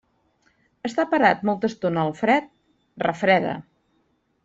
Estar parat molta estona al fred, refreda.